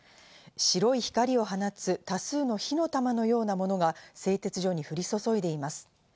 白い光を放つ多数の火の玉のようなものが製鉄所に降り注いでいます。